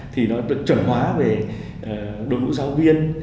thì nó được chuẩn hóa về đội ngũ giáo viên